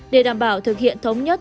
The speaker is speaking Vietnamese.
để đảm bảo thực hiện thống nhất